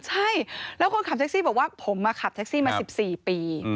ใช่แล้วคนขับแท็กซี่บอกว่าผมมาขับแท็กซี่มา๑๔ปี